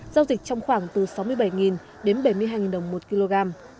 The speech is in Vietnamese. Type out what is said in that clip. giao dịch trong khoảng từ sáu mươi bảy đến bảy mươi hai đồng một kg